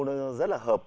rất là hợp